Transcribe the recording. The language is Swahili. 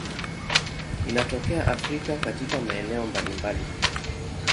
Inatokea Afrika katika maeneo mbalimbali.